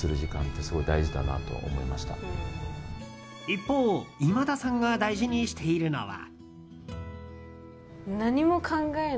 一方、今田さんが大事にしているのは。